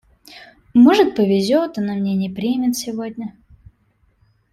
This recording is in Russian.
Может повезет, она меня не примет сегодня.